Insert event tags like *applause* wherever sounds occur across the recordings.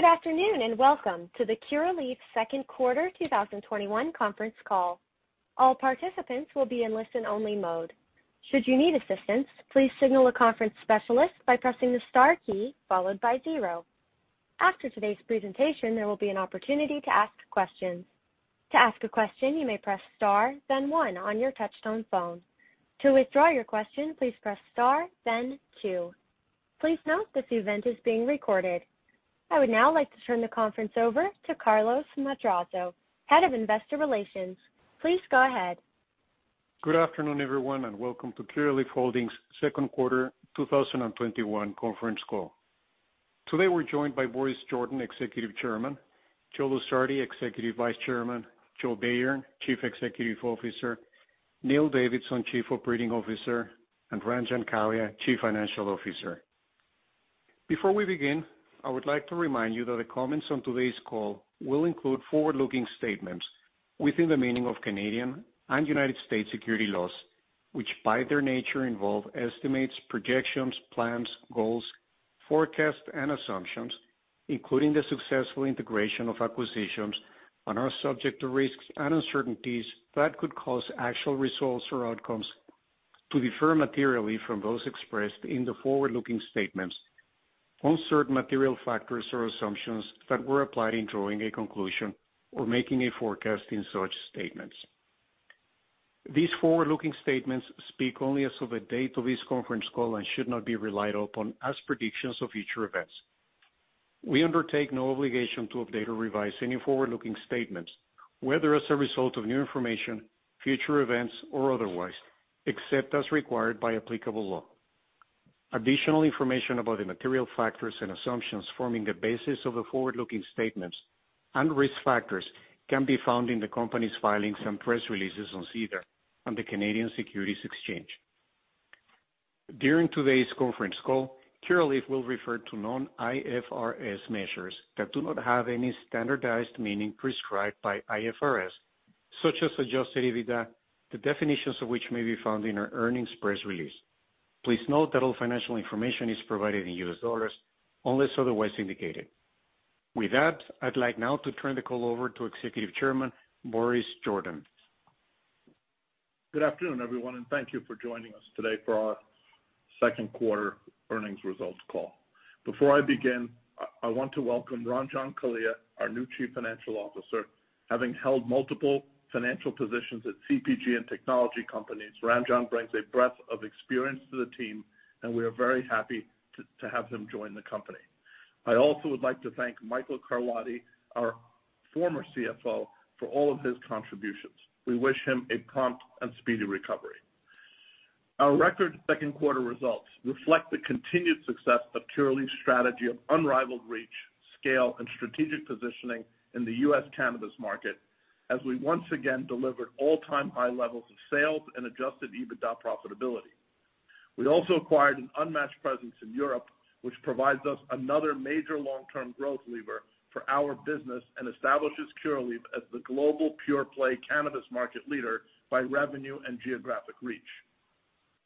Good afternoon, welcome to the Curaleaf second quarter 2021 conference call. All participants will be in listen-only mode. Should you need assistance, please signal a conference specialist by pressing the star key followed by zero. After today's presentation, there will be an opportunity to ask questions. To ask a question, you may press star then one on your touchtone phone. To withdraw your question, please press star then two. Please note that this event is being recorded. I would now like to turn the conference over to Carlos Madrazo, Head of Investor Relations. Please go ahead. Good afternoon, everyone, and welcome to Curaleaf Holdings second quarter 2021 conference call. Today, we're joined by Boris Jordan, Executive Chairman, Joe Lusardi, Executive Vice Chairman, Joe Bayern, Chief Executive Officer, Neil Davidson, Chief Operating Officer, and Ranjan Kalia, Chief Financial Officer. Before we begin, I would like to remind you that the comments on today's call will include forward-looking statements within the meaning of Canadian and U.S. security laws, which by their nature involve estimates, projections, plans, goals, forecasts, and assumptions, including the successful integration of acquisitions on are subject to risks and uncertainties that could cause actual results or outcomes to differ materially from those expressed in the forward-looking statements on certain material factors or assumptions that were applied in drawing a conclusion or making a forecast in such statements. These forward-looking statements speak only as of the date of this conference call and should not be relied upon as predictions of future events. We undertake no obligation to update or revise any forward-looking statements, whether as a result of new information, future events, or otherwise, except as required by applicable law. Additional information about the material factors and assumptions forming the basis of the forward-looking statements and risk factors can be found in the company's filings and press releases on SEDAR on the Canadian Securities Exchange. During today's conference call, Curaleaf will refer to non-IFRS measures that do not have any standardized meaning prescribed by IFRS, such as adjusted EBITDA, the definitions of which may be found in our earnings press release. Please note that all financial information is provided in US dollars, unless otherwise indicated. With that, I'd like now to turn the call over to Executive Chairman, Boris Jordan. Good afternoon, everyone. Thank you for joining us today for our second quarter earnings results call. Before I begin, I want to welcome Ranjan Kalia, our new Chief Financial Officer. Having held multiple financial positions at CPG and technology companies, Ranjan brings a breadth of experience to the team. We are very happy to have him join the company. I also would like to thank Michael Carlotti, our former CFO, for all of his contributions. We wish him a prompt and speedy recovery. Our record second quarter results reflect the continued success of Curaleaf's strategy of unrivaled reach, scale, and strategic positioning in the U.S. cannabis market, as we once again delivered all-time high levels of sales and adjusted EBITDA profitability. We also acquired an unmatched presence in Europe, which provides us another major long-term growth lever for our business and establishes Curaleaf as the global pure-play cannabis market leader by revenue and geographic reach.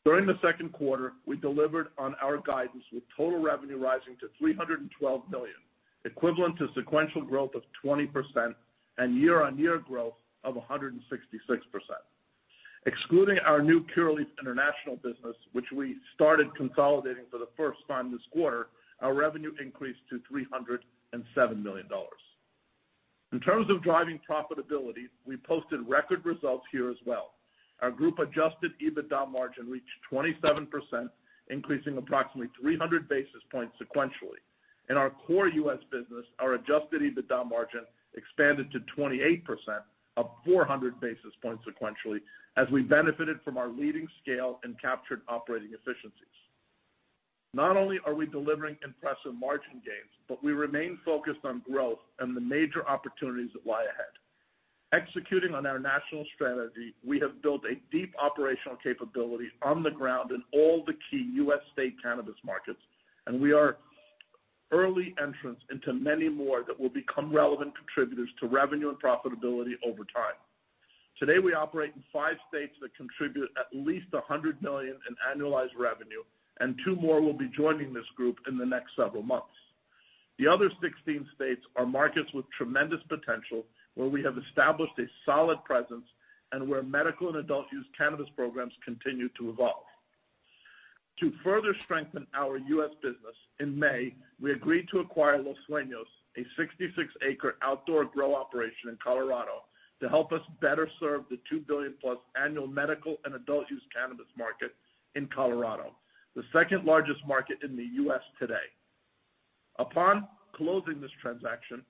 During the second quarter, we delivered on our guidance with total revenue rising to $312 million, equivalent to sequential growth of 20% and year-on-year growth of 166%. Excluding our new Curaleaf International business, which we started consolidating for the first time this quarter, our revenue increased to $307 million. In terms of driving profitability, we posted record results here as well. Our group adjusted EBITDA margin reached 27%, increasing approximately 300 basis points sequentially. In our core U.S. business, our adjusted EBITDA margin expanded to 28%, up 400 basis points sequentially, as we benefited from our leading scale and captured operating efficiencies. Not only are we delivering impressive margin gains, but we remain focused on growth and the major opportunities that lie ahead. Executing on our national strategy, we have built a deep operational capability on the ground in all the key U.S. state cannabis markets, and we are early entrants into many more that will become relevant contributors to revenue and profitability over time. Today, we operate in five states that contribute at least $100 million in annualized revenue, and two more will be joining this group in the next several months. The other 16 states are markets with tremendous potential, where we have established a solid presence and where medical and adult use cannabis programs continue to evolve. To further strengthen our U.S. business, in May, we agreed to acquire Los Sueños, a 66-acre outdoor grow operation in Colorado to help us better serve the +$2 billion annual medical and adult use cannabis market in Colorado, the second-largest market in the U.S. today. Upon closing this transaction,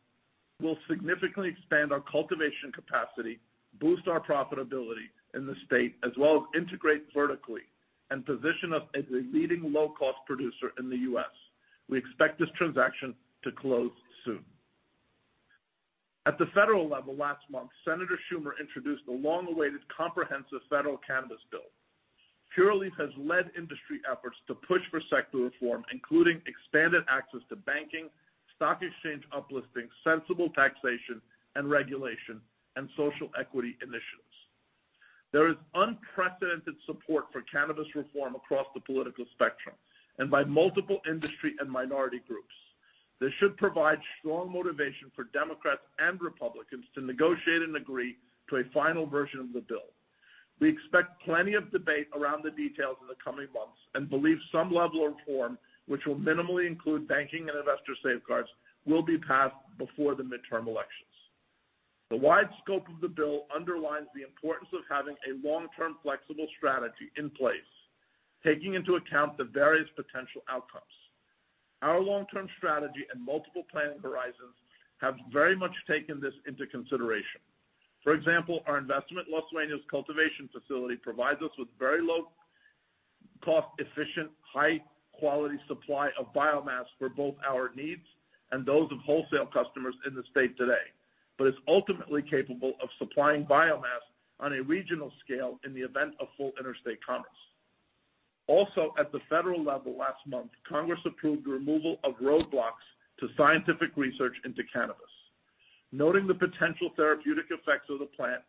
we'll significantly expand our cultivation capacity, boost our profitability in the state, as well as integrate vertically and position us as a leading low-cost producer in the U.S. We expect this transaction to close soon. At the federal level last month, Senator Schumer introduced the long-awaited comprehensive federal cannabis bill. Curaleaf has led industry efforts to push for secular reform, including expanded access to banking, stock exchange uplisting, sensible taxation and regulation, and social equity initiatives. There is unprecedented support for cannabis reform across the political spectrum and by multiple industry and minority groups. This should provide strong motivation for Democrats and Republicans to negotiate and agree to a final version of the bill. We expect plenty of debate around the details in the coming months and believe some level of reform, which will minimally include banking and investor safeguards, will be passed before the midterm elections. The wide scope of the bill underlines the importance of having a long-term flexible strategy in place, taking into account the various potential outcomes. Our long-term strategy and multiple planning horizons have very much taken this into consideration. For example, our investment in Las Vegas cultivation facility provides us with very low cost, efficient, high-quality supply of biomass for both our needs and those of wholesale customers in the state today. It's ultimately capable of supplying biomass on a regional scale in the event of full interstate commerce. Also, at the federal level, last month, Congress approved the removal of roadblocks to scientific research into cannabis, noting the potential therapeutic effects of the plant,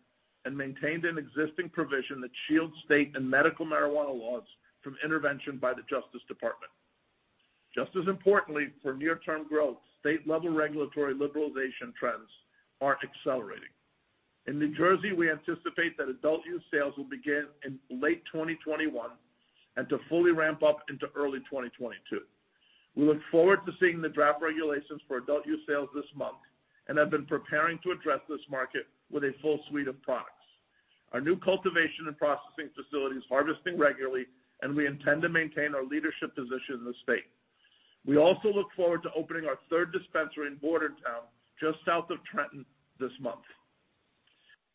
and maintained an existing provision that shields state and medical marijuana laws from intervention by the Justice Department. Just as importantly for near-term growth, state-level regulatory liberalization trends are accelerating. In New Jersey, we anticipate that adult use sales will begin in late 2021 and to fully ramp up into early 2022. We look forward to seeing the draft regulations for adult use sales this month and have been preparing to address this market with a full suite of products. Our new cultivation and processing facility is harvesting regularly, and we intend to maintain our leadership position in the state. We also look forward to opening our third dispensary in Bordentown, just south of Trenton, this month.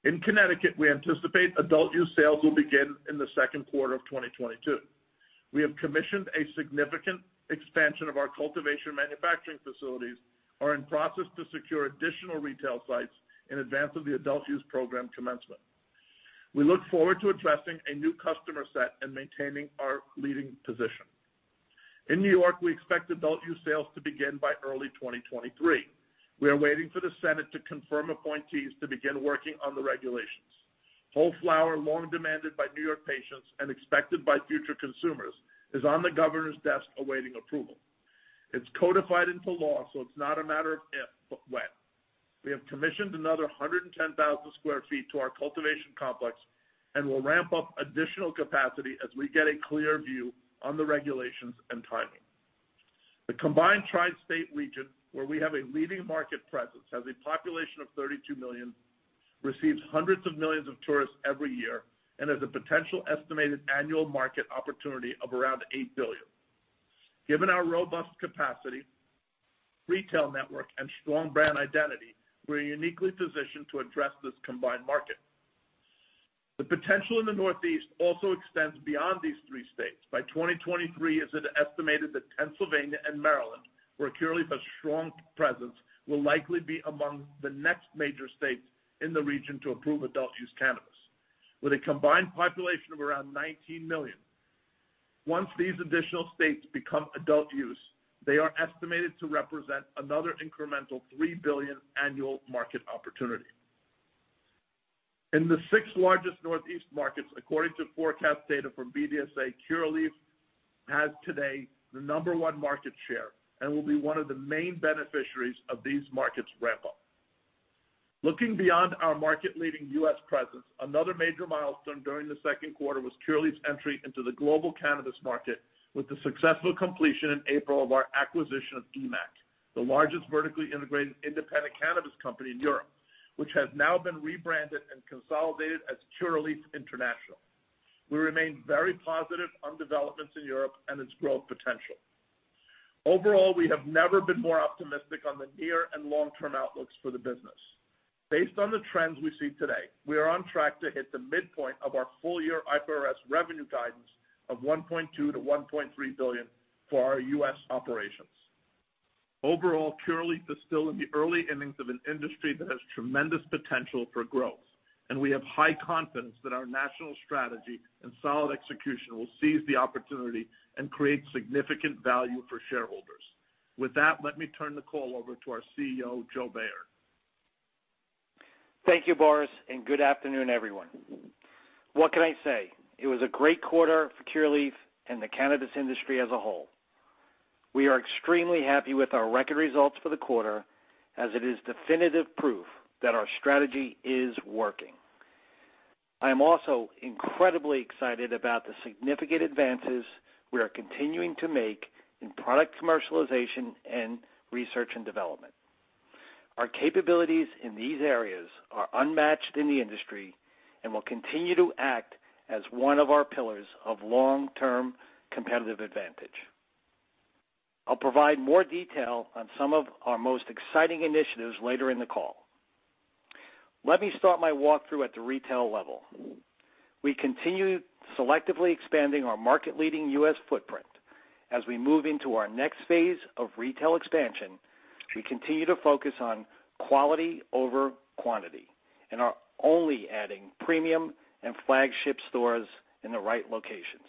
In Connecticut, we anticipate adult use sales will begin in the second quarter of 2022. We have commissioned a significant expansion of our cultivation manufacturing facilities, are in process to secure additional retail sites in advance of the adult use program commencement. We look forward to addressing a new customer set and maintaining our leading position. In N.Y., we expect adult use sales to begin by early 2023. We are waiting for the Senate to confirm appointees to begin working on the regulations. Whole flower, long demanded by N.Y. patients and expected by future consumers, is on the governor's desk awaiting approval. It's codified into law, so it's not a matter of if, but when. We have commissioned another 110,000 sq ft to our cultivation complex and will ramp up additional capacity as we get a clear view on the regulations and timing. The combined tri-state region, where we have a leading market presence, has a population of 32 million, receives hundreds of millions of tourists every year, and has a potential estimated annual market opportunity of around $8 billion. Given our robust capacity, retail network, and strong brand identity, we're uniquely positioned to address this combined market. The potential in the Northeast also extends beyond these three states. By 2023, it is estimated that Pennsylvania and Maryland, where Curaleaf has a strong presence, will likely be among the next major states in the region to approve adult-use cannabis, with a combined population of around 19 million. Once these additional states become adult use, they are estimated to represent another incremental $3 billion annual market opportunity. In the six largest Northeast markets, according to forecast data from BDSA, Curaleaf has today the number one market share and will be one of the main beneficiaries of these markets ramp up. Looking beyond our market-leading U.S. presence, another major milestone during the second quarter was Curaleaf's entry into the global cannabis market with the successful completion in April of our acquisition of EMMAC, the largest vertically integrated independent cannabis company in Europe, which has now been rebranded and consolidated as Curaleaf International. We remain very positive on developments in Europe and its growth potential. Overall, we have never been more optimistic on the near and long-term outlooks for the business. Based on the trends we see today, we are on track to hit the midpoint of our full-year IFRS revenue guidance of $1.2 billion-$1.3 billion for our U.S. operations. Overall, Curaleaf is still in the early innings of an industry that has tremendous potential for growth, and we have high confidence that our national strategy and solid execution will seize the opportunity and create significant value for shareholders. With that, let me turn the call over to our CEO, Joe Bayern. Thank you, Boris. Good afternoon, everyone. What can I say? It was a great quarter for Curaleaf and the cannabis industry as a whole. We are extremely happy with our record results for the quarter as it is definitive proof that our strategy is working. I am also incredibly excited about the significant advances we are continuing to make in product commercialization and research and development. Our capabilities in these areas are unmatched in the industry and will continue to act as one of our pillars of long-term competitive advantage. I'll provide more detail on some of our most exciting initiatives later in the call. Let me start my walkthrough at the retail level. We continue selectively expanding our market-leading U.S. footprint. As we move into our next phase of retail expansion, we continue to focus on quality over quantity and are only adding premium and flagship stores in the right locations.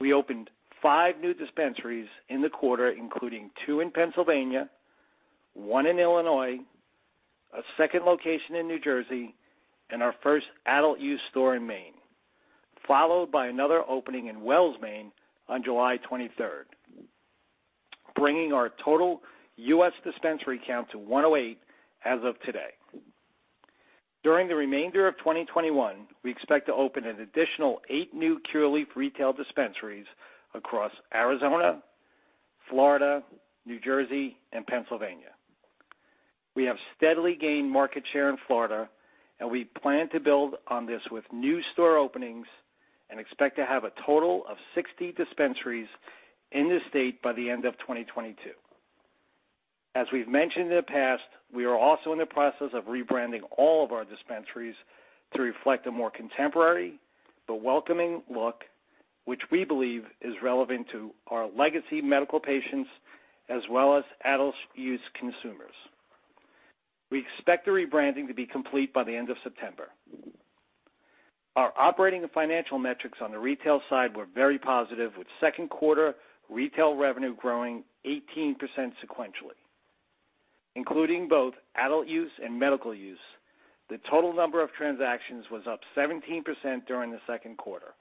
We opened five new dispensaries in the quarter, including two in Pennsylvania, one in Illinois, a second location in New Jersey, and our first adult-use store in Maine, followed by another opening in Wells, Maine on July 23rd, bringing our total U.S. dispensary count to 108 as of today. During the remainder of 2021, we expect to open an additional eight new Curaleaf retail dispensaries across Arizona, Florida, New Jersey, and Pennsylvania. We have steadily gained market share in Florida, and we plan to build on this with new store openings and expect to have a total of 60 dispensaries in the state by the end of 2022. As we've mentioned in the past, we are also in the process of rebranding all of our dispensaries to reflect a more contemporary but welcoming look, which we believe is relevant to our legacy medical patients, as well as adult-use consumers. We expect the rebranding to be complete by the end of September. Our operating and financial metrics on the retail side were very positive, with second quarter retail revenue growing 18% sequentially. Including both adult use and medical use, the total number of transactions was up 17% during the second quarter.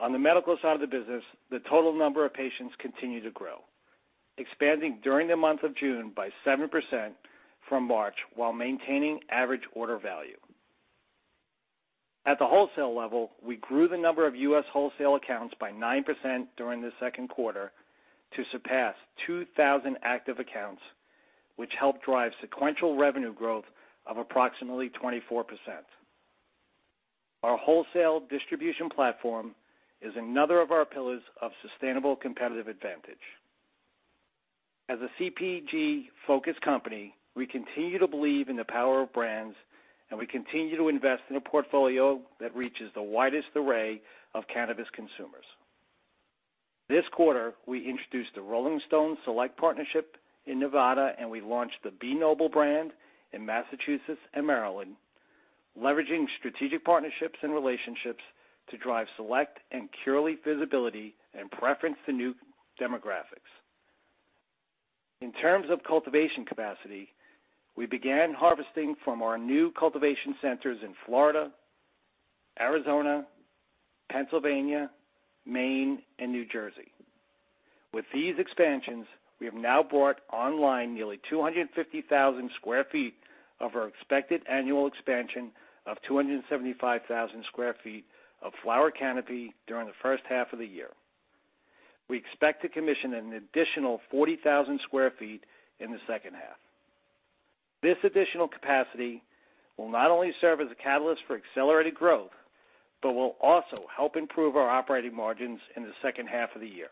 On the medical side of the business, the total number of patients continue to grow, expanding during the month of June by 7% from March, while maintaining average order value. At the wholesale level, we grew the number of U.S. wholesale accounts by 9% during the second quarter to surpass 2,000 active accounts, which helped drive sequential revenue growth of approximately 24%. Our wholesale distribution platform is another of our pillars of sustainable competitive advantage. As a CPG-focused company, we continue to believe in the power of brands, and we continue to invest in a portfolio that reaches the widest array of cannabis consumers. This quarter, we introduced the Rolling Stone, Select partnership in Nevada, and we launched the B NOBLE brand in Massachusetts and Maryland, leveraging strategic partnerships and relationships to drive Select and Curaleaf visibility and preference to new demographics. In terms of cultivation capacity, we began harvesting from our new cultivation centers in Florida, Arizona, Pennsylvania, Maine, and New Jersey. With these expansions, we have now brought online nearly 250,000 sq ft of our expected annual expansion of 275,000 sq ft of flower canopy during the first half of the year. We expect to commission an additional 40,000 sq ft in the second half. This additional capacity will not only serve as a catalyst for accelerated growth, but will also help improve our operating margins in the second half of the year.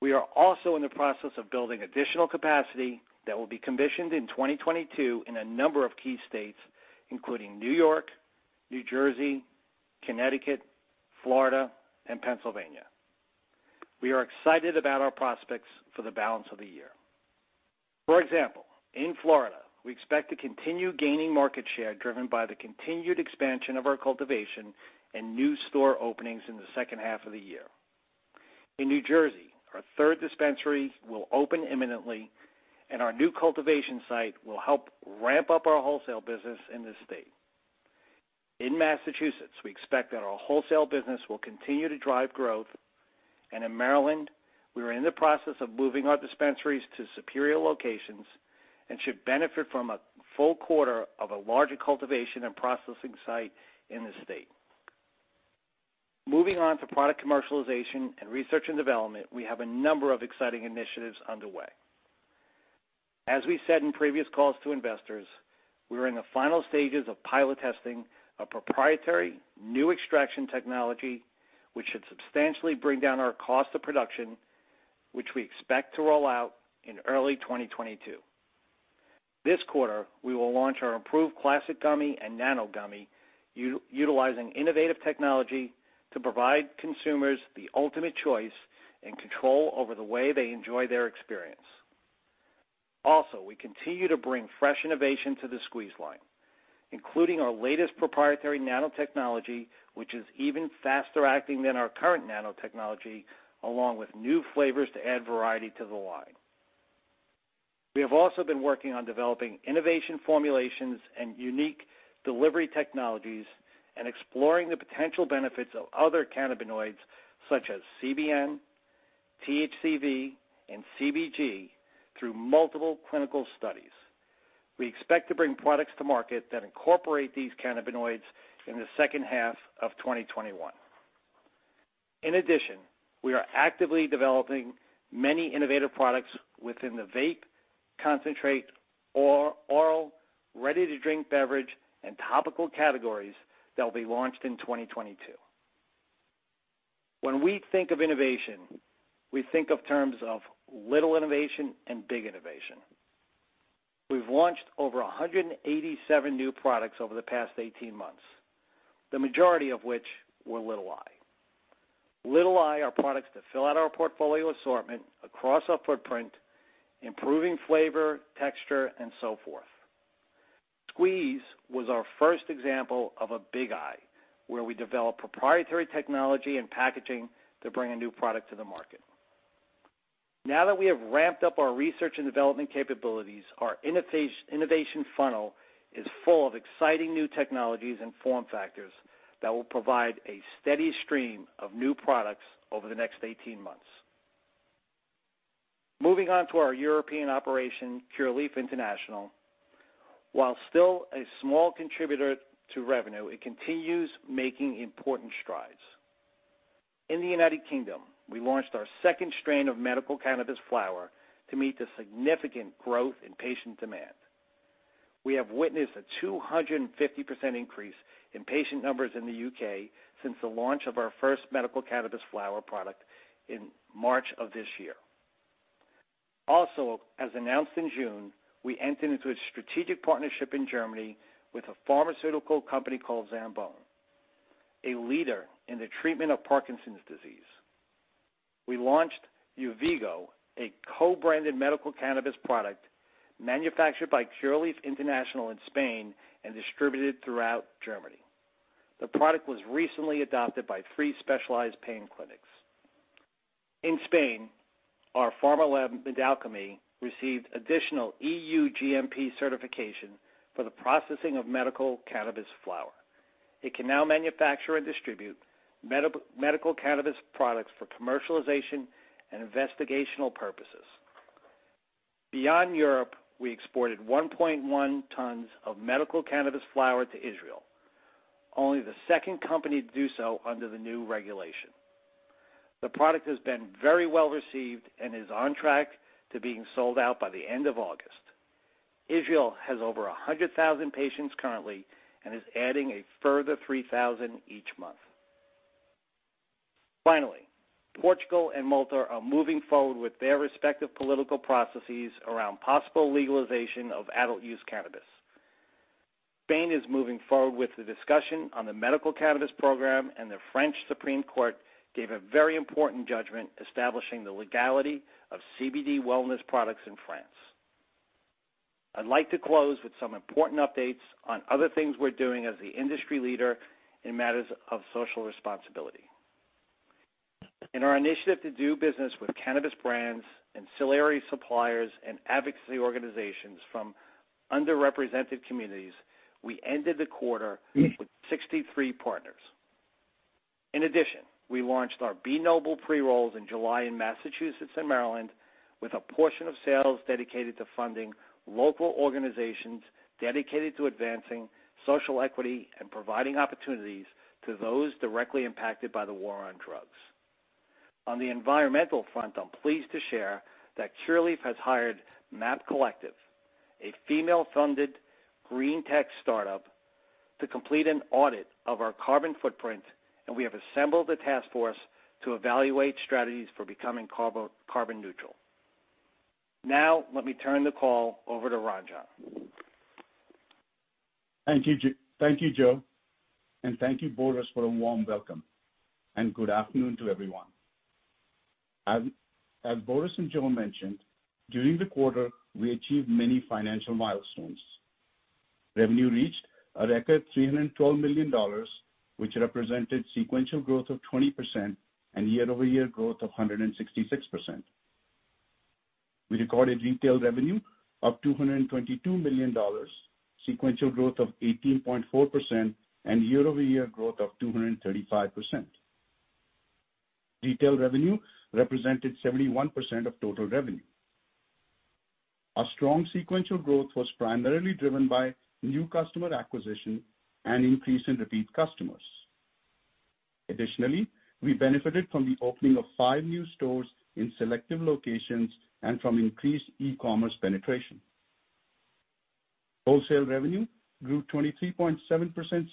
We are also in the process of building additional capacity that will be commissioned in 2022 in a number of key states, including N.Y., New Jersey, Connecticut, Florida, and Pennsylvania. We are excited about our prospects for the balance of the year. For example, in Florida, we expect to continue gaining market share, driven by the continued expansion of our cultivation and new store openings in the second half of the year. In New Jersey, our third dispensary will open imminently. Our new cultivation site will help ramp up our wholesale business in this state. In Massachusetts, we expect that our wholesale business will continue to drive growth. In Maryland, we are in the process of moving our dispensaries to superior locations and should benefit from a full quarter of a larger cultivation and processing site in the state. Moving on to product commercialization and research and development, we have a number of exciting initiatives underway. As we said in previous calls to investors, we are in the final stages of pilot testing a proprietary new extraction technology, which should substantially bring down our cost of production, which we expect to roll out in early 2022. This quarter, we will launch our improved Classic gummy and Nano gummy, utilizing innovative technology to provide consumers the ultimate choice and control over the way they enjoy their experience. Also, we continue to bring fresh innovation to the Squeeze line, including our latest proprietary nanotechnology, which is even faster acting than our current nanotechnology, along with new flavors to add variety to the line. We have also been working on developing innovation formulations and unique delivery technologies and exploring the potential benefits of other cannabinoids such as CBN, THCV, and CBG through multiple clinical studies. We expect to bring products to market that incorporate these cannabinoids in the second half of 2021. In addition, we are actively developing many innovative products within the vape, concentrate, oral, ready-to-drink beverage, and topical categories that will be launched in 2022. When we think of innovation, we think of terms of little innovation and big innovation. We've launched over 187 new products over the past 18 months, the majority of which were Little I. Little I are products that fill out our portfolio assortment across our footprint, improving flavor, texture, and so forth. Squeeze was our first example of a Big Eye, where we develop proprietary technology and packaging to bring a new product to the market. Now that we have ramped up our research and development capabilities, our innovation funnel is full of exciting new technologies and form factors that will provide a steady stream of new products over the next 18 months. Moving on to our European operation, Curaleaf International. While still a small contributor to revenue, it continues making important strides. In the U.K., we launched our second strain of medical cannabis flower to meet the significant growth in patient demand. We have witnessed a 250% increase in patient numbers in the U.K. since the launch of our first medical cannabis flower product in March of this year. Also, as announced in June, we entered into a strategic partnership in Germany with a pharmaceutical company called Zambon, a leader in the treatment of Parkinson's disease. We launched Euvigo, a co-branded medical cannabis product manufactured by Curaleaf International in Spain and distributed throughout Germany. The product was recently adopted by three specialized pain clinics. In Spain, our pharma lab, Medalchemy, received additional EU-GMP certification for the processing of medical cannabis flower. It can now manufacture and distribute medical cannabis products for commercialization and investigational purposes. Beyond Europe, we exported 1.1 tons of medical cannabis flower to Israel, only the second company to do so under the new regulation. The product has been very well-received and is on track to being sold out by the end of August. Israel has over 100,000 patients currently and is adding a further 3,000 each month. Finally, Portugal and Malta are moving forward with their respective political processes around possible legalization of adult-use cannabis. Spain is moving forward with the discussion on the medical cannabis program, and the French Supreme Court gave a very important judgment establishing the legality of CBD wellness products in France. I'd like to close with some important updates on other things we're doing as the industry leader in matters of social responsibility. In our initiative to do business with cannabis brands, ancillary suppliers, and advocacy organizations from underrepresented communities, we ended the quarter with 63 partners. In addition, we launched our B NOBLE pre-rolls in July in Massachusetts and Maryland with a portion of sales dedicated to funding local organizations dedicated to advancing social equity and providing opportunities to those directly impacted by the war on drugs. On the environmental front, I'm pleased to share that Curaleaf has hired Map-Collective, a female-funded green tech startup, to complete an audit of our carbon footprint, and we have assembled a task force to evaluate strategies for becoming carbon neutral. Now, let me turn the call over to Ranjan. Thank you, Joe, and thank you, Boris, for a warm welcome, and good afternoon to everyone. As Boris and Joe mentioned, during the quarter, we achieved many financial milestones. Revenue reached a record $312 million, which represented sequential growth of 20% and year-over-year growth of 166%. We recorded retail revenue of $222 million, sequential growth of 18.4%, and year-over-year growth of 235%. Retail revenue represented 71% of total revenue. Our strong sequential growth was primarily driven by new customer acquisition and increase in repeat customers. Additionally, we benefited from the opening of five new stores in selective locations and from increased e-commerce penetration. Wholesale revenue grew 23.7%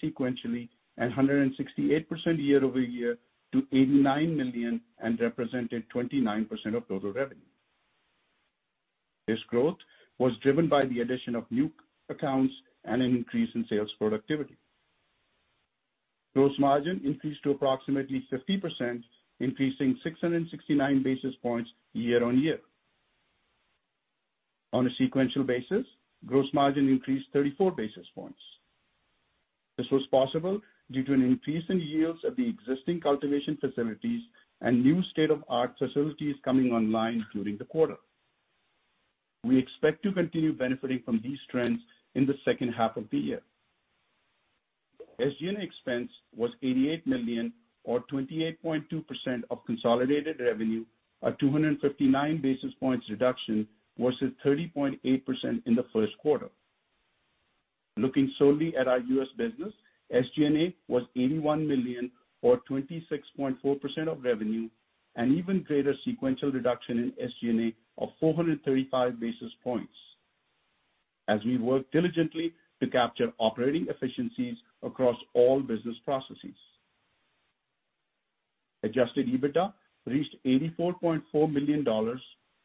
sequentially and 168% year-over-year to $89 million and represented 29% of total revenue. This growth was driven by the addition of new accounts and an increase in sales productivity. Gross margin increased to approximately 50%, increasing 669 basis points year-on-year. On a sequential basis, gross margin increased 34 basis points. This was possible due to an increase in yields of the existing cultivation facilities and new state-of-art facilities coming online during the quarter. We expect to continue benefiting from these trends in the second half of the year. SG&A expense was $88 million, or 28.2% of consolidated revenue, a 259 basis points reduction versus 30.8% in the first quarter. Looking solely at our U.S. business, SG&A was $81 million, or 26.4% of revenue, an even greater sequential reduction in SG&A of 435 basis points as we work diligently to capture operating efficiencies across all business processes. Adjusted EBITDA reached $84.4 million,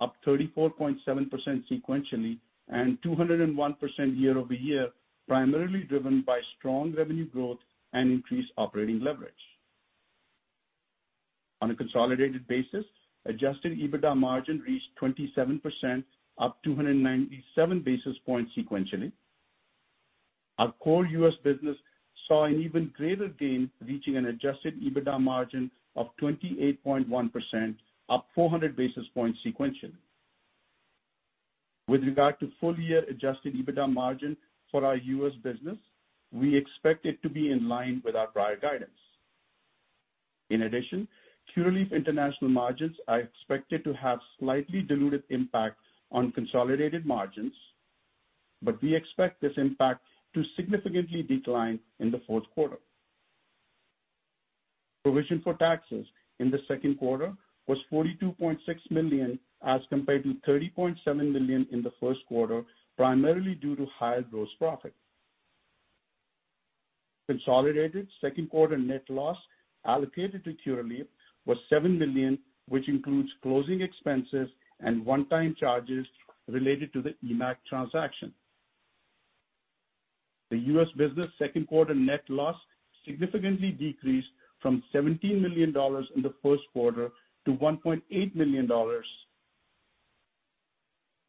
up 34.7% sequentially and 201% year-over-year, primarily driven by strong revenue growth and increased operating leverage. On a consolidated basis, adjusted EBITDA margin reached 27%, up 297 basis points sequentially. Our core U.S. business saw an even greater gain, reaching an adjusted EBITDA margin of 28.1%, up 400 basis points sequentially. With regard to full-year adjusted EBITDA margin for our U.S. business, we expect it to be in line with our prior guidance. In addition, Curaleaf International margins are expected to have a slightly diluted impact on consolidated margins, but we expect this impact to significantly decline in the fourth quarter. Provision for taxes in the second quarter was $42.6 million, as compared to $30.7 million in the first quarter, primarily due to higher gross profit. Consolidated second quarter net loss allocated to Curaleaf was $7 million, which includes closing expenses and one-time charges related to the EMMAC transaction. The U.S. business second quarter net loss significantly decreased from $17 million in the first quarter to $1.8 million.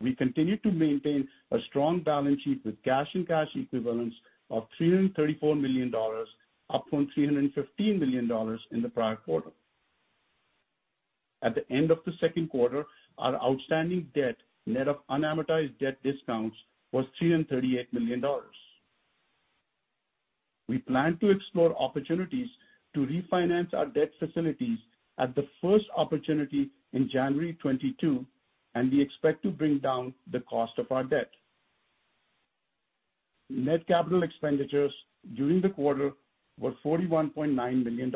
We continue to maintain a strong balance sheet with cash and cash equivalents of $334 million, up from $315 million in the prior quarter. At the end of the second quarter, our outstanding debt net of unamortized debt discounts was $338 million. We plan to explore opportunities to refinance our debt facilities at the first opportunity in January 2022. We expect to bring down the cost of our debt. Net capital expenditures during the quarter were $41.9 million.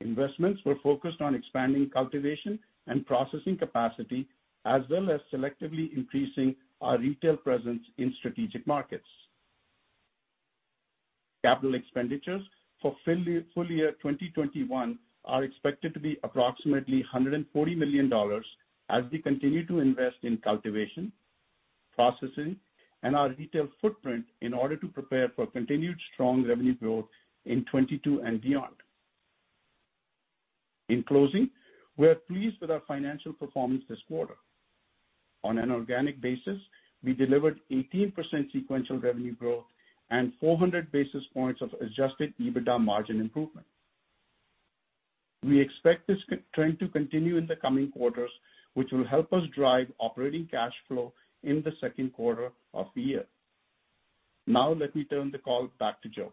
Investments were focused on expanding cultivation and processing capacity, as well as selectively increasing our retail presence in strategic markets. Capital expenditures for full year 2021 are expected to be approximately $140 million as we continue to invest in cultivation, processing, and our retail footprint in order to prepare for continued strong revenue growth in 2022 and beyond. In closing, we are pleased with our financial performance this quarter. On an organic basis, we delivered 18% sequential revenue growth and 400 basis points of adjusted EBITDA margin improvement. We expect this trend to continue in the coming quarters, which will help us drive operating cash flow in the second quarter of the year. Now let me turn the call back to Joe.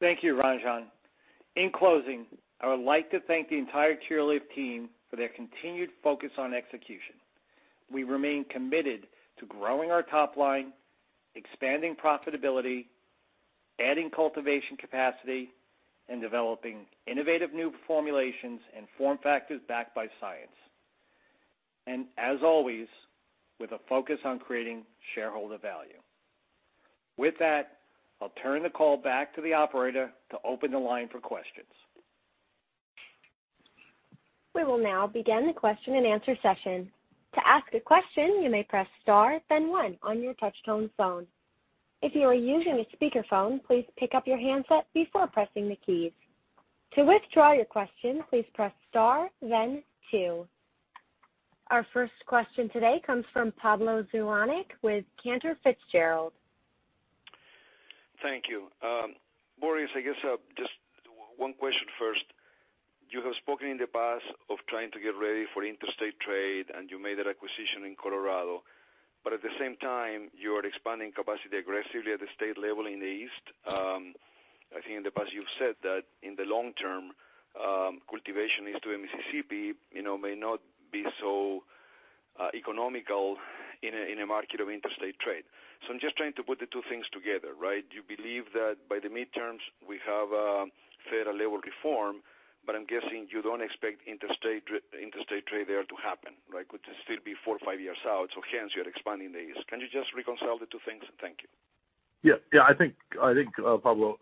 Thank you, Ranjan. In closing, I would like to thank the entire Curaleaf team for their continued focus on execution. We remain committed to growing our top line, expanding profitability, adding cultivation capacity, and developing innovative new formulations and form factors backed by science. As always, with a focus on creating shareholder value. With that, I'll turn the call back to the operator to open the line for questions. We will now begin the question-and-answer session. To ask a question, you may press star then one on your touchtone phone. If you are using speakerphone, please pick up your handset before pressing the key. To withdraw your qestion, please press star then two. Our first question today comes from Pablo Zuanic with Cantor Fitzgerald. Thank you. Boris, I guess just one question first. You have spoken in the past of trying to get ready for interstate trade, you made an acquisition in Colorado. At the same time, you are expanding capacity aggressively at the state level in the East. I think in the past you've said that in the long term, cultivation east of the Mississippi may not be so economical in a market of interstate trade. I'm just trying to put the two things together, right? You believe that by the midterms, we have a federal-level reform, I'm guessing you don't expect interstate trade there to happen, right? Which will still be four or five years out, hence you are expanding the East. Can you just reconcile the two things? Thank you. Yeah. Yeah, I think, Pablo,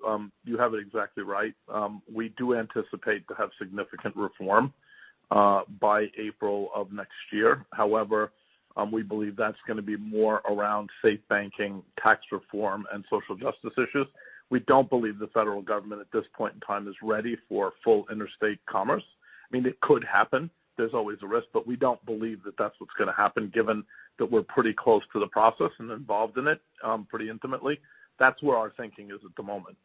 you have it exactly right. We do anticipate to have significant reform by April of next year. However, we believe that's going to be more around safe banking, tax reform, and social justice issues. We don't believe the federal government at this point in time is ready for full interstate commerce. I mean, it could happen. There's always a risk, but we don't believe that that's what's going to happen given that we're pretty close to the process and involved in it pretty intimately. That's where our thinking is at the moment.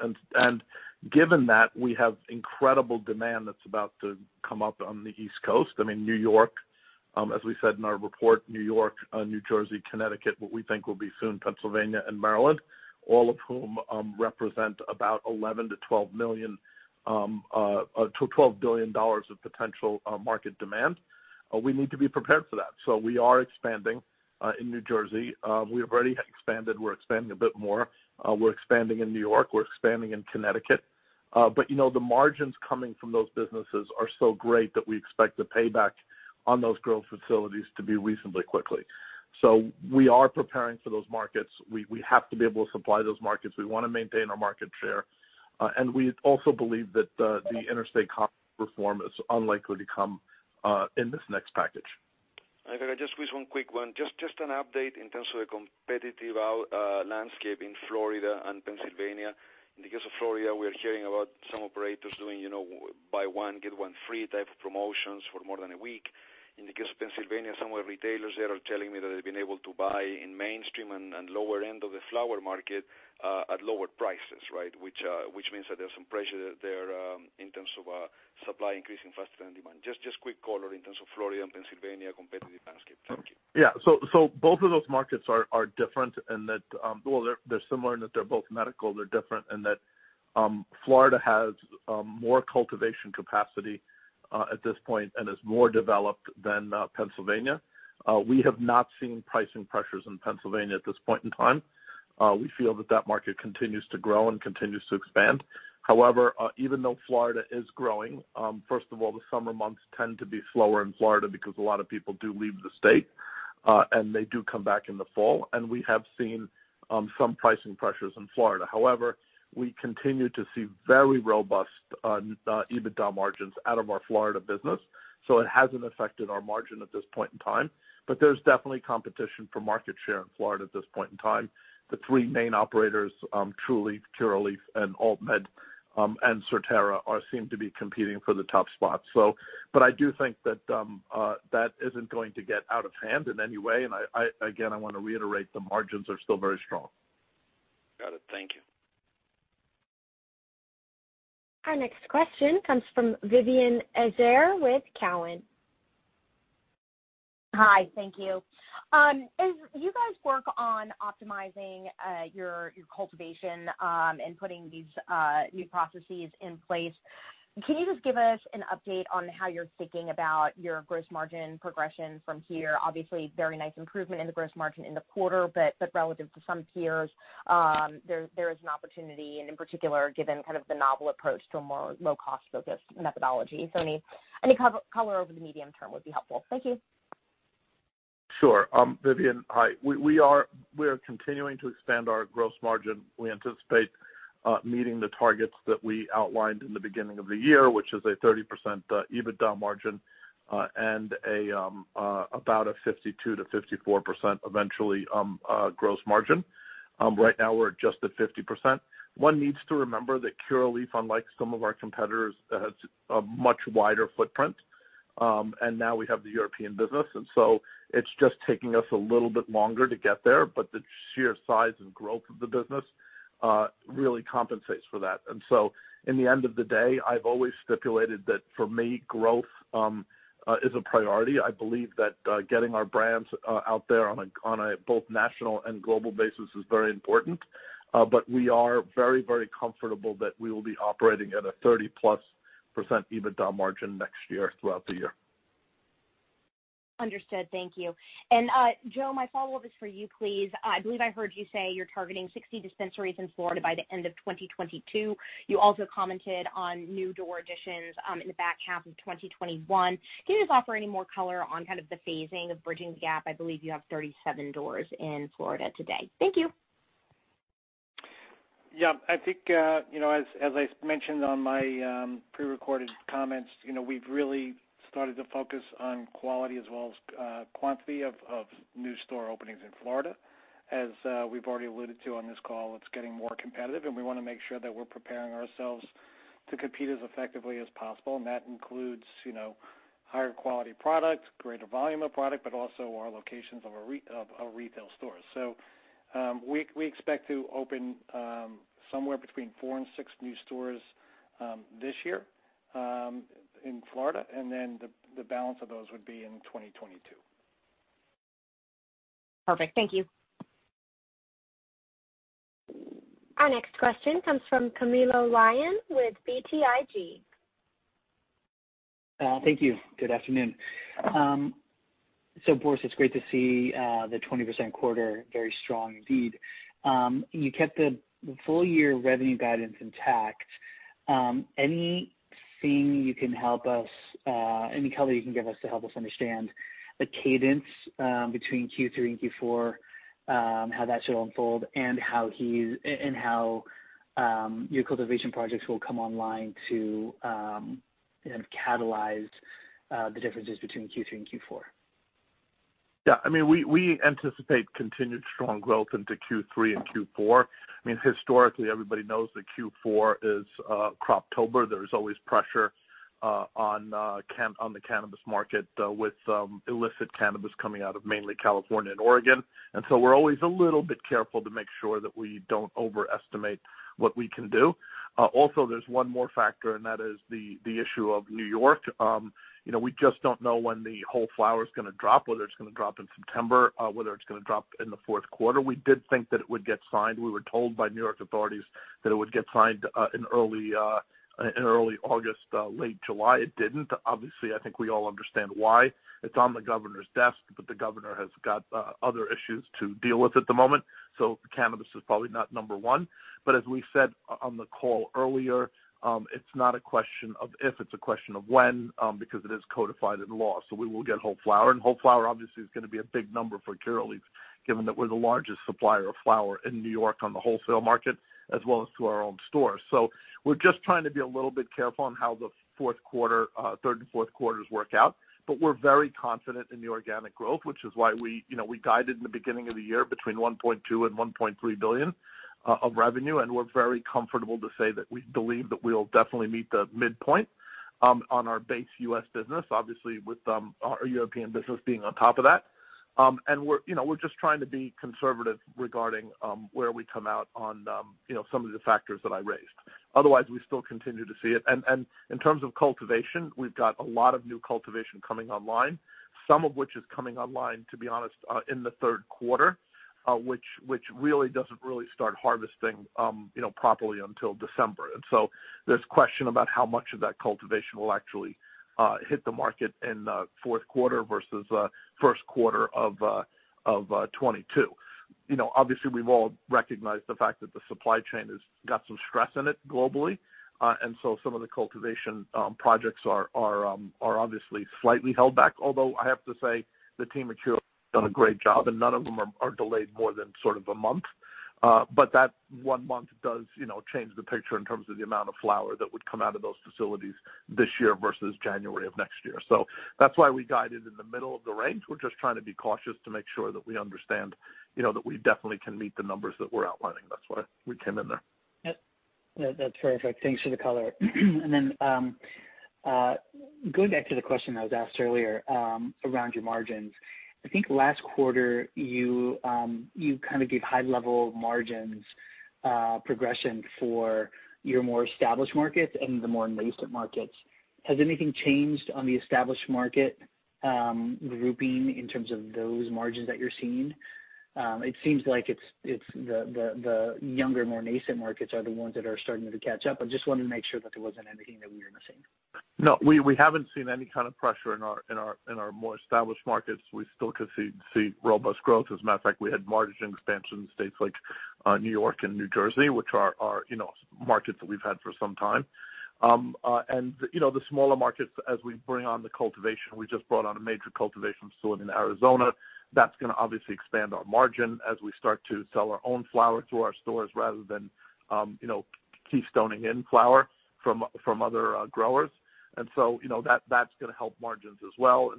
Given that, we have incredible demand that's about to come up on the East Coast. I mean, N.Y., as we said in our report, N.Y., New Jersey, Connecticut, what we think will be soon Pennsylvania and Maryland, all of whom represent about $11 billion-$12 billion of potential market demand. We need to be prepared for that. We are expanding in New Jersey. We have already expanded. We're expanding a bit more. We're expanding in N.Y. We're expanding in Connecticut. But, you know, the margins coming from those businesses are so great that we expect the payback on those growth facilities to be reasonably quickly. We are preparing for those markets. We have to be able to supply those markets. We want to maintain our market share. We also believe that the interstate commerce reform is unlikely to come in this next package. If I can just squeeze one quick one, just an update in terms of the competitive landscape in Florida and Pennsylvania. In the case of Florida, we are hearing about some operators doing buy one, get one free type of promotions for more than a week. In the case of Pennsylvania, some of the retailers there are telling me that they've been able to buy in mainstream and lower end of the flower market, at lower prices, right? Which means that there's some pressure there, in terms of supply increasing faster than demand. Just quick color in terms of Florida and Pennsylvania competitive landscape. Thank you. Yeah. Both of those markets are different in that they're similar in that they're both medical. They're different in that Florida has more cultivation capacity, at this point, and is more developed than Pennsylvania. We have not seen pricing pressures in Pennsylvania at this point in time. We feel that market continues to grow and continues to expand. However, even though Florida is growing, first of all, the summer months tend to be slower in Florida because a lot of people do leave the state, and they do come back in the fall. We have seen some pricing pressures in Florida. However, we continue to see very robust EBITDA margins out of our Florida business, so it hasn't affected our margin at this point in time, but there's definitely competition for market share in Florida at this point in time. The three main operators, Trulieve, Curaleaf, and AltMed, and Surterra seem to be competing for the top spot. I do think that isn't going to get out of hand in any way, and again, I want to reiterate, the margins are still very strong. Got it. Thank you. Our next question comes from Vivien Azer with Cowen. Hi. Thank you. As you guys work on optimizing your cultivation, and putting these new processes in place, can you just give us an update on how you're thinking about your gross margin progression from here? Obviously, very nice improvement in the gross margin in the quarter, but relative to some peers, there is an opportunity, and in particular, given kind of the novel approach to a more low-cost focused methodology. I mean, any cup of color over the medium term would be helpful. Thank you. Sure. Vivien, hi. We are continuing to expand our gross margin. We anticipate meeting the targets that we outlined in the beginning of the year, which is a 30% EBITDA margin, and about a 52%-54% eventually, gross margin. Right now, we're just at 50%. One needs to remember that Curaleaf, unlike some of our competitors, has a much wider footprint. Now we have the European business, and so it's just taking us a little bit longer to get there, but the sheer size and growth of the business really compensates for that. In the end of the day, I've always stipulated that for me, growth is a priority. I believe that getting our brands out there on a both national and global basis is very important. We are very, very comfortable that we will be operating at a 30%+ EBITDA margin next year throughout the year. Understood. Thank you. Joe, my follow-up is for you, please. I believe I heard you say you're targeting 60 dispensaries in Florida by the end of 2022. You also commented on new door additions in the back half of 2021. Can you just offer any more color on kind of the phasing of bridging the gap? I believe you have 37 doors in Florida today. Thank you. Yeah. I think, you know, as I mentioned on my prerecorded comments, you know, we've really started to focus on quality as well as quantity of new store openings in Florida. As we've already alluded to on this call, it's getting more competitive. We want to make sure that we're preparing ourselves to compete as effectively as possible. That includes, you know, higher quality products, greater volume of product, but also our locations of our retail stores. We expect to open somewhere between four and six new stores this year in Florida. Then the balance of those would be in 2022. Perfect. Thank you. Our next question comes from Camilo Lyon with BTIG. Thank you. Good afternoon. Boris, it's great to see the 20% quarter, very strong indeed. You kept the full year revenue guidance intact. Anything you can help us, any color you can give us to help us understand the cadence between Q3 and Q4, how that should unfold, and how your cultivation projects will come online to kind of catalyze the differences between Q3 and Q4? Yeah. We anticipate continued strong growth into Q3 and Q4. Historically, everybody knows that Q4 is Croptober. There's always pressure on the cannabis market with illicit cannabis coming out of mainly California and Oregon. We're always a little bit careful to make sure that we don't overestimate what we can do. Also, there's one more factor, and that is the issue of N.Y. We just don't know when the whole flower's gonna drop, whether it's gonna drop in September, whether it's gonna drop in the fourth quarter. We did think that it would get signed. We were told by N.Y. authorities that it would get signed in early August, late July. It didn't. Obviously, I think we all understand why. It's on the governor's desk, but the governor has got other issues to deal with at the moment, so cannabis is probably not number one. As we said on the call earlier, it's not a question of if, it's a question of when, because it is codified in law. We will get whole flower, and whole flower obviously is going to be a big number for Curaleaf, given that we're the largest supplier of flower in N.Y. on the wholesale market, as well as to our own stores. We're just trying to be a little bit careful on how the fourth quarter, third quarters and fourth quarters work out. We're very confident in the organic growth, which is why we, you know, we guided in the beginning of the year between $1.2 billion and $1.3 billion of revenue, and we're very comfortable to say that we believe that we'll definitely meet the midpoint on our base U.S. business, obviously with our European business being on top of that. We're, you know, just trying to be conservative regarding where we come out on, you know, some of the factors that I raised. Otherwise, we still continue to see it. In terms of cultivation, we've got a lot of new cultivation coming online, some of which is coming online, to be honest, in the third quarter, which really doesn't really start harvesting, you know, properly until December. There's question about how much of that cultivation will actually hit the market in fourth quarter versus first quarter of 2022. You know, obviously, we've all recognized the fact that the supply chain has got some stress in it globally. Some of the cultivation projects are obviously slightly held back, although I have to say the team at Curaleaf have done a great job, and none of them are delayed more than sort of a month. That one month does, you know, change the picture in terms of the amount of flower that would come out of those facilities this year versus January of next year. That's why we guided in the middle of the range. We're just trying to be cautious to make sure that we understand, you know, that we definitely can meet the numbers that we're outlining. That's why we came in there. Yep. That's perfect. Thanks for the color. Then going back to the question that was asked earlier, around your margins. I think last quarter, you kind of gave high-level margins progression for your more established markets and the more nascent markets. Has anything changed on the established market grouping in terms of those margins that you're seeing? It seems like it's the younger, more nascent markets are the ones that are starting to catch up. I just wanted to make sure that there wasn't anything that we were missing. No, we haven't seen any kind of pressure in our more established markets. We still could see robust growth. As a matter of fact, we had margin expansion in states like N.Y. and New Jersey, which are, you know, markets that we've had for some time. You know, the smaller markets, as we bring on the cultivation, we just brought on a major cultivation facility in Arizona. That's going to obviously expand our margin as we start to sell our own flower through our stores rather than, you know, keystoning in flower from other growers. That's how, you know, that's going to help margins as well.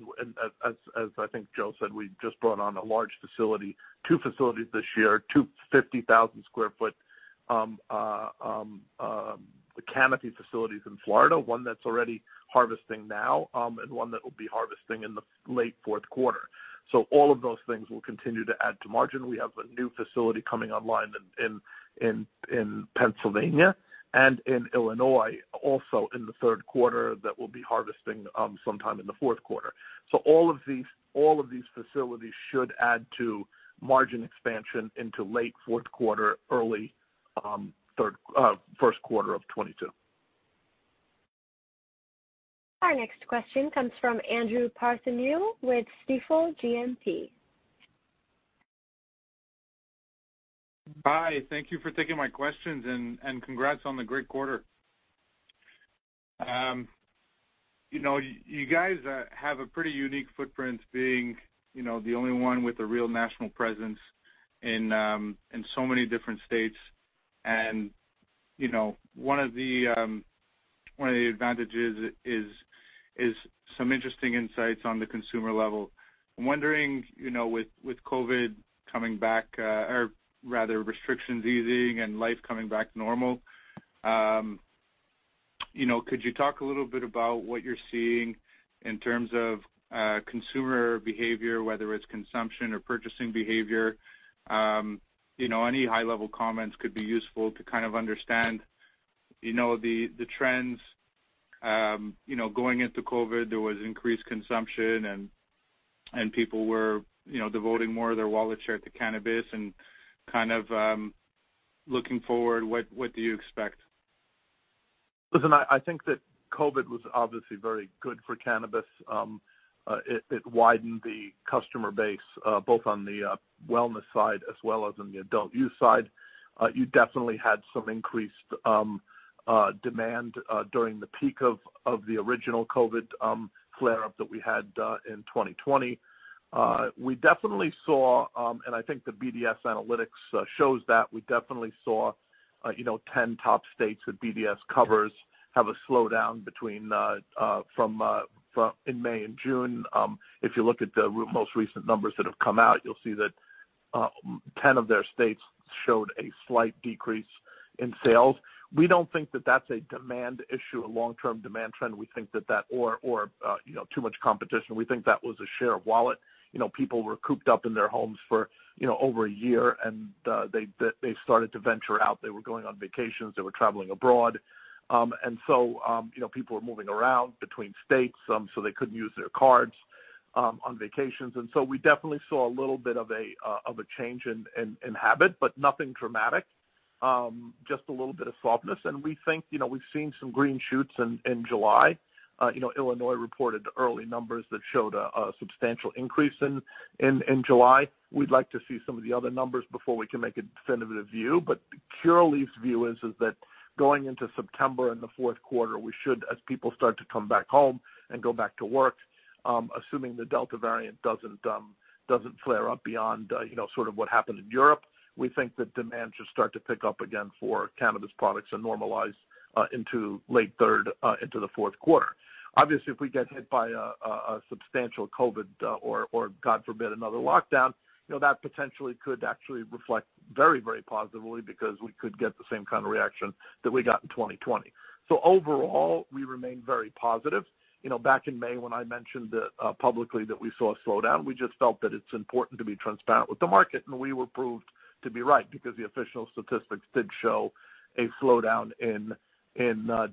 As I think Joe said, we just brought on a large facility, two facilities this year, two 50,000 sq ft canopy facilities in Florida, one that's already harvesting now, and one that will be harvesting in the late fourth quarter. All of those things will continue to add to margin. We have a new facility coming online in Pennsylvania and in Illinois, also in the third quarter, that will be harvesting sometime in the fourth quarter. All of these facilities should add to margin expansion into late fourth quarter, early first quarter of 2022. Our next question comes from Andrew Partheniou with Stifel GMP. Hi. Thank you for taking my questions, and congrats on the great quarter. You know, you guys have a pretty unique footprint being, you know, the only one with a real national presence in so many different states. You know, one of the plenty of advantages is some interesting insights on the consumer level. I'm wondering, you know, with COVID coming back, or rather restrictions easing and life coming back to normal, you know, could you talk a little bit about what you're seeing in terms of consumer behavior, whether it's consumption or purchasing behavior? You know, any high level comments could be useful to kind of understand, you know, the trends. You know, going into COVID, there was increased consumption and people were, you know, devoting more of their wallet share to cannabis and kind of looking forward, what do you expect? Listen, I think that COVID was obviously very good for cannabis. It widened the customer base, both on the wellness side as well as on the adult-use side. You definitely had some increased demand during the peak of the original COVID flare-up that we had in 2020. We definitely saw, and I think the BDS Analytics shows that, we definitely saw, you know, 10 top states that BDS covers have a slowdown in May and June. If you look at the most recent numbers that have come out, you'll see that 10 of their states showed a slight decrease in sales. We don't think that that's a demand issue, a long-term demand trend, or too much competition. We think that was a share of wallet. People were cooped up in their homes for over a year, and they started to venture out. They were going on vacations. They were traveling abroad. People were moving around between states, so they couldn't use their cards on vacations. We definitely saw a little bit of a change in habit, but nothing dramatic. Just a little bit of softness. We think, you know, we've seen some green shoots in July. You know, Illinois reported early numbers that showed a substantial increase in July. We'd like to see some of the other numbers before we can make a definitive view. Curaleaf's view is that going into September and the fourth quarter, we should, as people start to come back home and go back to work, assuming the Delta variant doesn't flare up beyond, you know, sort of what happened in Europe, we think that demand should start to pick up again for cannabis products and normalize into late third, into the fourth quarter. Obviously, if we get hit by a substantial COVID, or God forbid, another lockdown, that potentially could actually reflect very, very positively because we could get the same kind of reaction that we got in 2020. Overall, we remain very positive. You know, back in May when I mentioned publicly that we saw a slowdown, we just felt that it's important to be transparent with the market, and we were proved to be right because the official statistics did show a slowdown in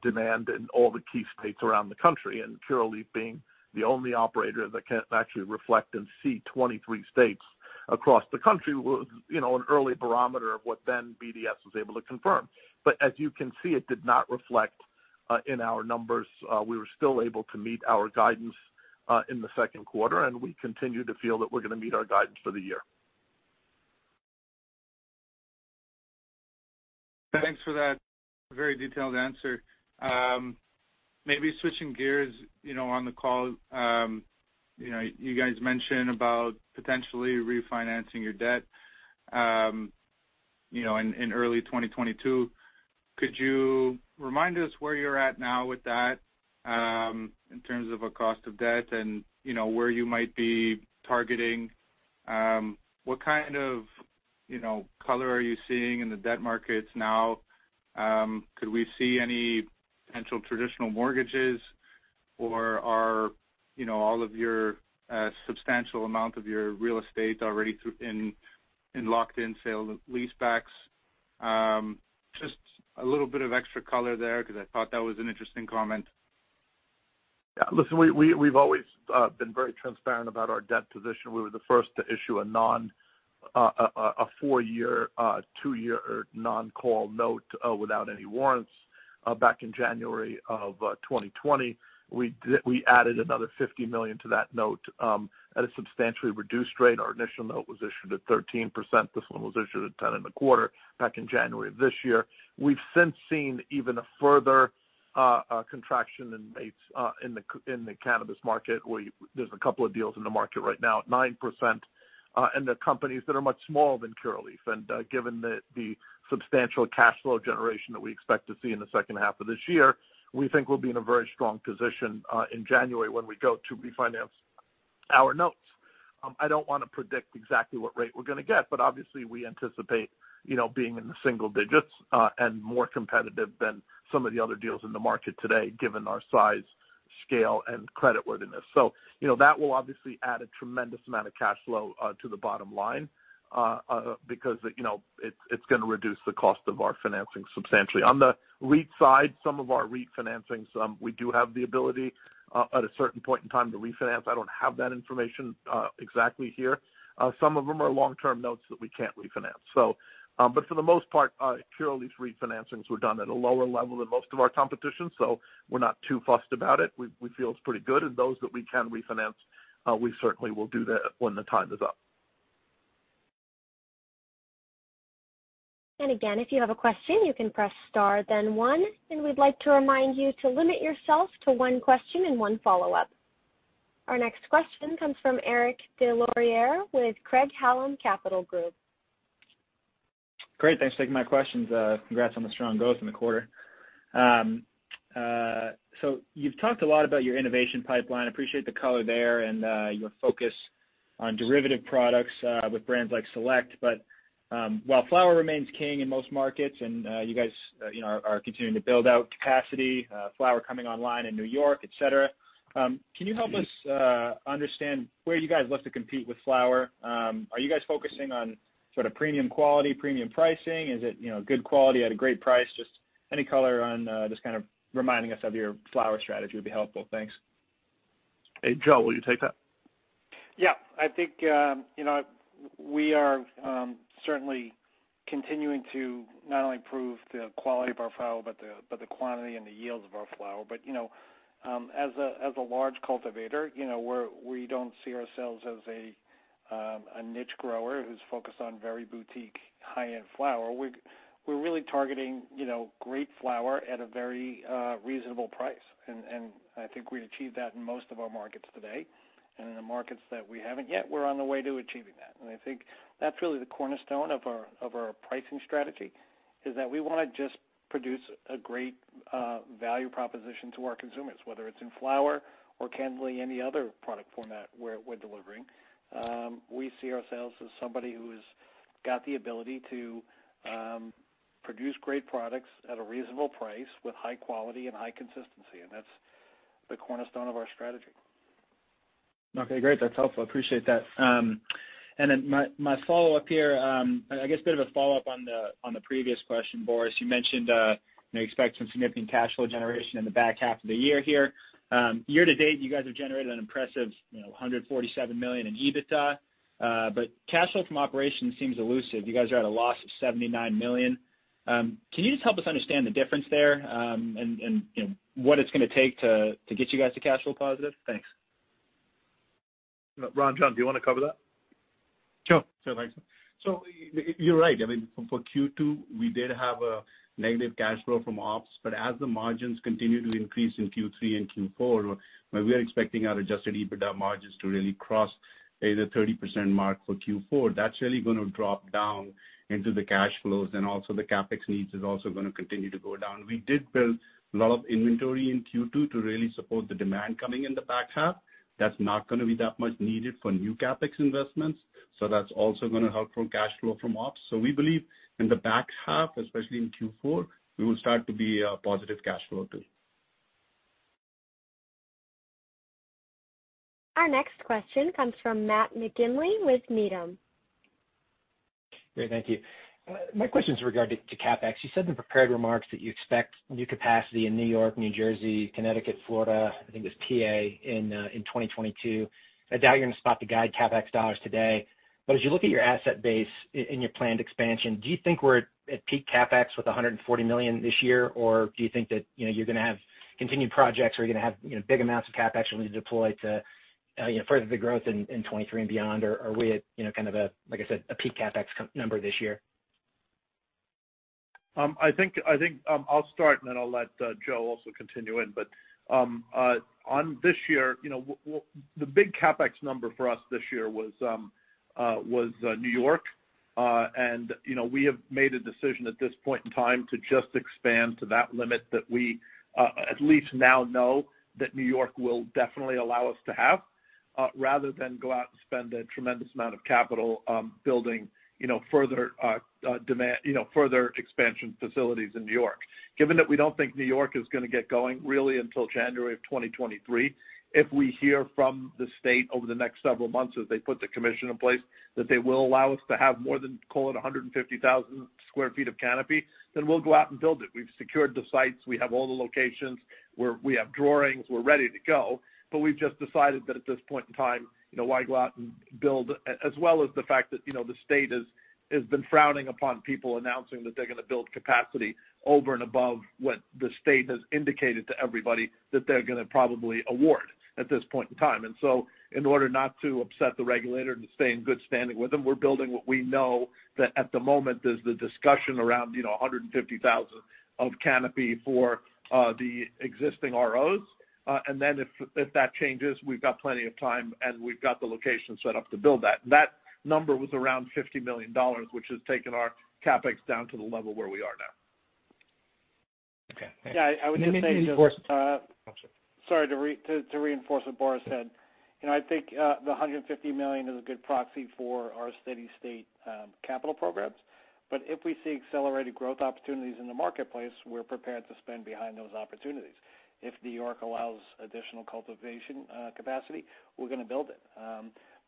demand in all the key states around the country, and Curaleaf being the only operator that can actually reflect and see 23 states across the country, was, you know, an early barometer of what then BDS was able to confirm. As you can see, it did not reflect in our numbers. We were still able to meet our guidance in the second quarter. We continue to feel that we're going to meet our guidance for the year. Thanks for that very detailed answer. Maybe switching gears, you know, on the call, you guys mentioned about potentially refinancing your debt, you know, in early 2022. Could you remind us where you're at now with that in terms of a cost of debt and, you know, where you might be targeting? What kind of, you know, color are you seeing in the debt markets now? Could we see any potential traditional mortgages, or are, you know, all of your substantial amount of your real estate already in locked in sale leasebacks? Just a little bit of extra color there because I thought that was an interesting comment. Yeah, listen, we've always been very transparent about our debt position. We were the first to issue a four-year, two-year non-call note without any warrants back in January of 2020. We added another $50 million to that note at a substantially reduced rate. Our initial note was issued at 13%. This one was issued at 10.25% back in January of this year. We've since seen even a further contraction in rates in the cannabis market, where there's a couple of deals in the market right now at 9%, and they're companies that are much smaller than Curaleaf. Given the substantial cash flow generation that we expect to see in the second half of this year, we think we'll be in a very strong position in January when we go to refinance our notes. I don't want to predict exactly what rate we're going to get, but obviously we anticipate, you know, being in the single digits and more competitive than some of the other deals in the market today, given our size, scale, and credit worthiness. That will obviously add a tremendous amount of cash flow to the bottom line because, you know, it's going to reduce the cost of our financing substantially. On the REIT side, some of our REIT financing, some we do have the ability at a certain point in time to refinance. I don't have that information exactly here. Some of them are long-term notes that we can't refinance. For the most part, Curaleaf's refinancings were done at a lower level than most of our competition, so we're not too fussed about it. We feel it's pretty good, and those that we can refinance, we certainly will do that when the time is up. Again, if you have a question, you can press star then one, and we'd like to remind you to limit yourself to one question and one follow-up. Our next question comes from Eric Des Lauriers with Craig-Hallum Capital Group. Great. Thanks for taking my questions. Congrats on the strong growth in the quarter. You know, you've talked a lot about your innovation pipeline. Appreciate the color there and your focus on derivative products with brands like Select. While flower remains king in most markets and you guys are continuing to build out capacity, flower coming online in N.Y., et cetera, can you help us understand where you guys look to compete with flower? Are you guys focusing on sort of premium quality, premium pricing? Is it, you know, good quality at a great price? Just any color on just kind of reminding us of your flower strategy would be helpful. Thanks. Hey, Joe, will you take that? Yeah. I think we are certainly continuing to not only improve the quality of our flower, but the quantity and the yields of our flower. As a large cultivator, you know, we don't see ourselves as a niche grower who's focused on very boutique, high-end flower. We're really targeting, you know, great flower at a very reasonable price, and I think we achieve that in most of our markets today. In the markets that we haven't yet, we're on the way to achieving that. I think that's really the cornerstone of our pricing strategy, is that we want to just produce a great value proposition to our consumers, whether it's in flower or candidly any other product format we're delivering. We see ourselves as somebody who's got the ability to produce great products at a reasonable price with high quality and high consistency, and that's the cornerstone of our strategy. Okay, great. That's helpful. Appreciate that. Then my follow-up here, I guess a bit of a follow-up on the previous question, Boris. You mentioned you expect some significant cash flow generation in the back half of the year here. Year-to-date, you guys have generated an impressive $147 million in EBITDA. But cash flow from operations seems elusive. You guys are at a loss of $79 million. Can you just help us understand the difference there and what it's going to take to get you guys to cash flow positive? Thanks. Ranjan, do you want to cover that? Sure. Thanks. You're right. I mean, for Q2, we did have a negative cash flow from ops, but as the margins continue to increase in Q3 and Q4, where we are expecting our adjusted EBITDA margins to really cross the 30% mark for Q4, that's really going to drop down into the cash flows and also the CapEx needs is also going to continue to go down. We did build a lot of inventory in Q2 to really support the demand coming in the back half. That's not going to be that much needed for new CapEx investments, that's also going to help from cash flow from ops. We believe in the back half, especially in Q4, we will start to be a positive cash flow too. Our next question comes from Matt McGinley with Needham. Great. Thank you. My question is in regard to CapEx. You said in the prepared remarks that you expect new capacity in N.Y., New Jersey, Connecticut, Florida, I think it was P.A., in 2022. I doubt you're in a spot to guide CapEx dollars today, but as you look at your asset base and your planned expansion, do you think we're at peak CapEx with $140 million this year? Or do you think that you're going to have continued projects, or you're going to have big amounts of CapEx you'll need to deploy to further the growth in 2023 and beyond? Are we at kind of a, like I said, a peak CapEx number this year? I think I'll start, and then I'll let Joe also continue in. On this year, you know, the big CapEx number for us this year was N.Y. You know, we have made a decision at this point in time to just expand to that limit that we at least now know that N.Y. will definitely allow us to have, rather than go out and spend a tremendous amount of capital building, you know, further expansion facilities in N.Y. Given that we don't think N.Y. is going to get going really until January of 2023, if we hear from the state over the next several months as they put the commission in place that they will allow us to have more than, call it 150,000 sq ft of canopy, then we'll go out and build it. We've secured the sites. We have all the locations. We have drawings. We're ready to go. We've just decided that at this point in time, why go out and build, as well as the fact that, you know, the state has been frowning upon people announcing that they're going to build capacity over and above what the state has indicated to everybody that they're going to probably award at this point in time. In order not to upset the regulator and to stay in good standing with them, we're building what we know that at the moment is the discussion around 150,000 sq ft of canopy for the existing ROs. If that changes, we've got plenty of time, and we've got the location set up to build that. That number was around $50 million, which has taken our CapEx down to the level where we are now. Okay. Great. Yeah, I would just say maybe to reinforce. *crosstalk* Oh, sorry, to reinforce what Boris said, I think the $150 million is a good proxy for our steady-state capital programs. If we see accelerated growth opportunities in the marketplace, we're prepared to spend behind those opportunities. If N.Y. allows additional cultivation capacity, we're going to build it.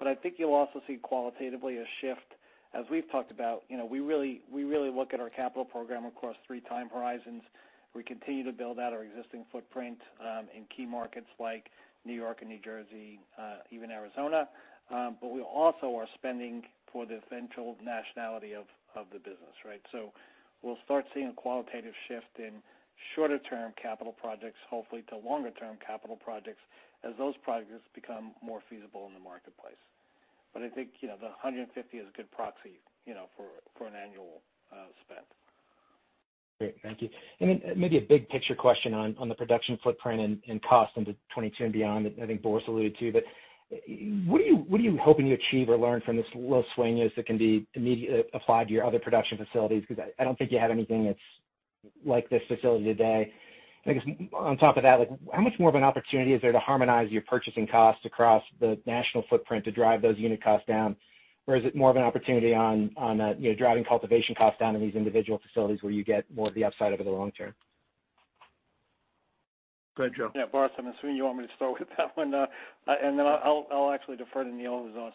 I think you'll also see qualitatively a shift, as we've talked about. You know, we really look at our capital program across three time horizons. We continue to build out our existing footprint in key markets like N.Y. and New Jersey, even Arizona. We also are spending for the eventual nationality of the business, right? We'll start seeing a qualitative shift in shorter-term capital projects, hopefully to longer-term capital projects as those projects become more feasible in the marketplace. I think, yeah, the $150 million is a good proxy, you know, for an annual spend. Great. Thank you. Maybe a big picture question on the production footprint and cost into 2022 and beyond that I think Boris alluded to, but what are you hoping to achieve or learn from this Los Sueños that can be immediately applied to your other production facilities? I don't think you have anything that's like this facility today. I guess on top of that, how much more of an opportunity is there to harmonize your purchasing costs across the national footprint to drive those unit costs down? Is it more of an opportunity on driving cultivation costs down in these individual facilities where you get more of the upside over the long term? Go ahead, Joe. Yeah, Boris, I'm assuming you want me to start with that one. Then I'll actually defer to Neil Davidson,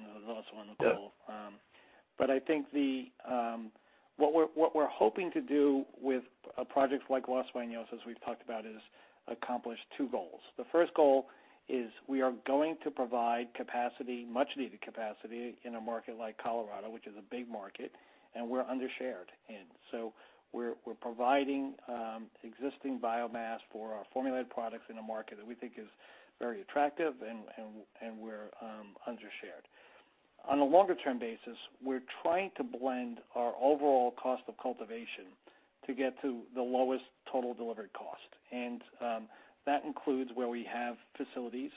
who is also on the call. Yeah. I think what we're hoping to do with projects like Los Sueños, as we've talked about, is accomplish two goals. The first goal is we are going to provide capacity, much needed capacity, in a market like Colorado, which is a big market, and we're under-shared in. We're providing existing biomass for our formulated products in a market that we think is very attractive, and we're under-shared. On a longer-term basis, we're trying to blend our overall cost of cultivation to get to the lowest total delivered cost. That includes where we have facilities,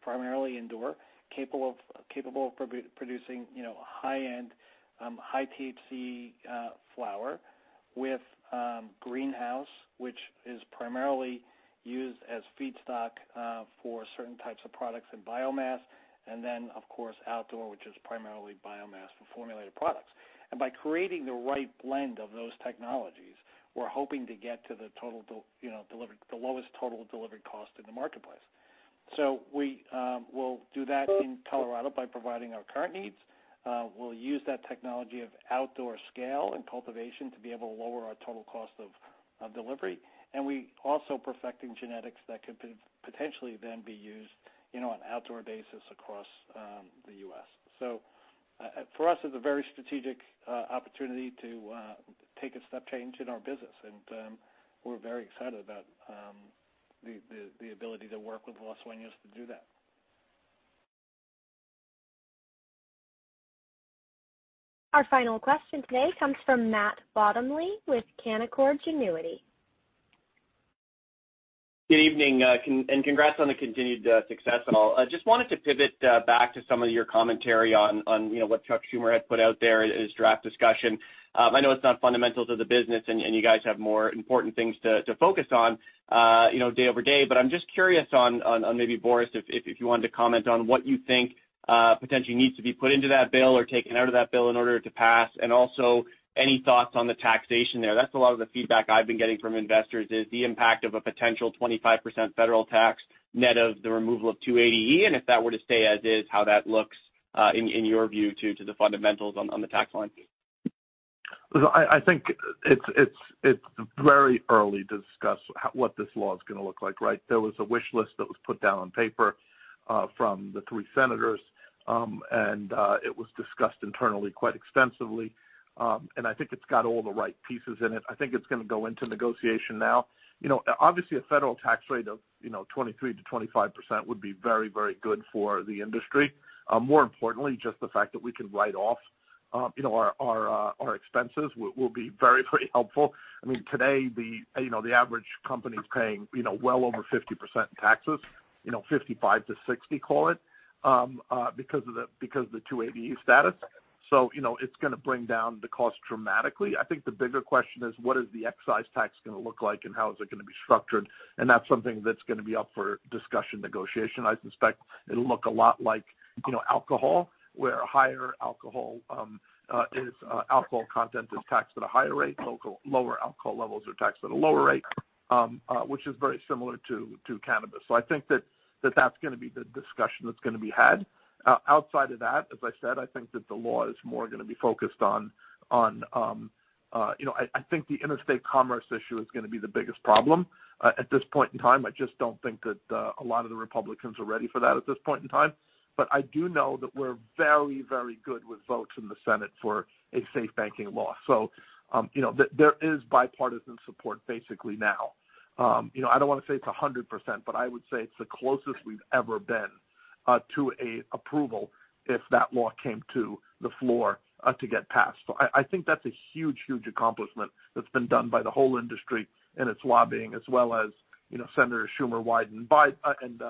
primarily indoor, capable of producing, you know, high-end, high-THC flower with greenhouse, which is primarily used as feedstock for certain types of products and biomass, and then, of course, outdoor, which is primarily biomass for formulated products. By creating the right blend of those technologies, we're hoping to get to the, you know, lowest total delivered cost in the marketplace. We will do that in Colorado by providing our current needs. We'll use that technology of outdoor scale and cultivation to be able to lower our total cost of delivery. We also perfecting genetics that could potentially then be used, you know, on an outdoor basis across the U.S. For us, it's a very strategic opportunity to take a step change in our business, and we're very excited about the ability to work with Los Sueños to do that. Our final question today comes from Matt Bottomley with Canaccord Genuity. Good evening, congrats on the continued success and all. Just wanted to pivot back to some of your commentary on what Chuck Schumer had put out there as draft discussion. I know it's not fundamental to the business, and you guys have more important things to focus on, you know, day over day, but I'm just curious on maybe, Boris, if you wanted to comment on what you think potentially needs to be put into that bill or taken out of that bill in order to pass, and also any thoughts on the taxation there. That's a lot of the feedback I've been getting from investors, is the impact of a potential 25% federal tax net of the removal of 280E, and if that were to stay as is, how that looks, in your view too, to the fundamentals on the tax line. I think it's very early to discuss what this law is going to look like, right? There was a wish list that was put down on paper from the three senators, and it was discussed internally quite extensively, and I think it's got all the right pieces in it. I think it's going to go into negotiation now. You know, obviously, a federal tax rate of, you know, 23%-25% would be very, very good for the industry. More importantly, just the fact that we can write off, you know, our expenses will be very, very helpful. I mean, today, the average company's paying, you know, well over 50% in taxes, you know, 55%-60%, call it, because of the 280E status. It's going to bring down the cost dramatically. I think the bigger question is, what is the excise tax going to look like, and how is it going to be structured? That's something that's going to be up for discussion, negotiation. I suspect it'll look a lot like, you know, alcohol, where higher alcohol content is taxed at a higher rate, lower alcohol levels are taxed at a lower rate, which is very similar to cannabis. I think that that's going to be the discussion that's going to be had. Outside of that, as I said, I think that the law is more going to be focused on. You know, I think the interstate commerce issue is going to be the biggest problem. At this point in time, I just don't think that a lot of the Republicans are ready for that at this point in time. I do know that we're very, very good with votes in the Senate for a safe banking law. You know, there is bipartisan support basically now. I don't want to say it's 100%, but I would say it's the closest we've ever been to an approval if that law came to the floor to get passed. I think that's a huge, huge accomplishment that's been done by the whole industry and its lobbying as well as Senator Schumer, Wyden, and